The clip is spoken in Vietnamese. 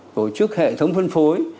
hỗ trợ hệ thống phân phối